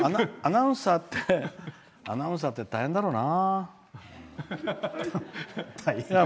アナウンサーって大変だろうな。